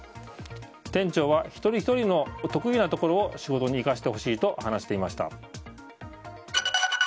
店長は一人ひとりの得意なところを仕事に生かしてほしいと話していました。